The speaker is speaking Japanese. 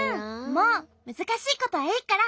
もうむずかしいことはいいから！